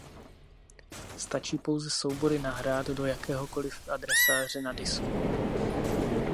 Stačí pouze soubory nahrát do jakéhokoliv adresáře na disku.